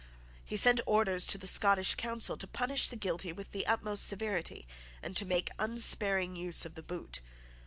He sent orders to the Scottish Council to punish the guilty with the utmost severity, and to make unsparing use of the boot.